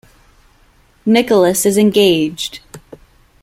Nicholas is engaged.